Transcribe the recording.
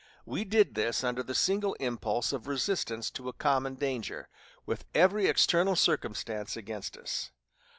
We did this under the single impulse of resistance to a common danger, with every external circumstance against us.